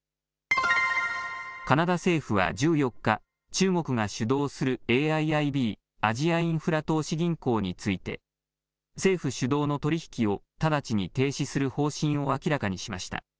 カナダ政府は１４日中国が主導するＡＩＩＢアジアインフラ投資銀行について政府主導の取り引きを直ちに停止する方針を明らかにしました。